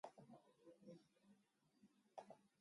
ウィスコンシン州の州都はマディソンである